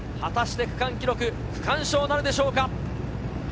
果たして区間記録、区間賞なるでしょうか。